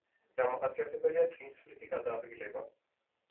დამახასიათებელია წინსვლითი გადაადგილება.